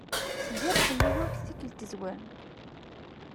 Ddiɣ s New York tikklt izwarn.